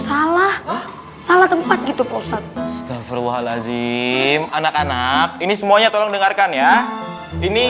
salah salah tempat gitu pusat safrul lazim anak anak ini semuanya tolong dengarkan ya ini